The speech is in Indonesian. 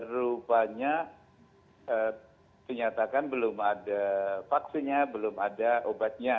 rupanya dinyatakan belum ada vaksinnya belum ada obatnya